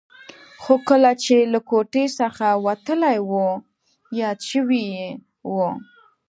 خو کله چې له کوټې څخه وتلی و یاد شوي یې و.